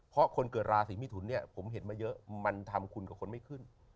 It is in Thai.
เพราะคนเกิดราศีมิถุนเนี่ยผมเห็นมาเยอะมันทำคุณกับคนไม่ขึ้น